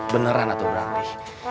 beneran atau berarti